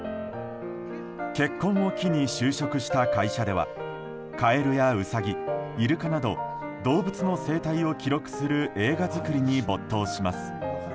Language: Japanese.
結婚を機に就職した会社ではカエルやウサギ、イルカなど動物の生態を記録する映画作りに没頭します。